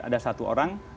ada satu orang